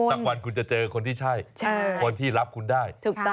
สักวันคุณจะเจอคนที่ใช่คนที่รับคุณได้ถูกต้อง